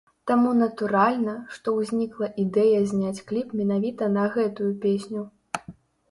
Таму натуральна, што ўзнікла ідэя зняць кліп менавіта на гэтую песню.